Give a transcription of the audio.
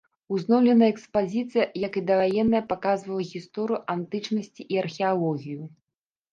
Узноўленая экспазіцыя, як і даваенная, паказвала гісторыю антычнасці і археалогію.